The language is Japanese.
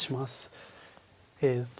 えっと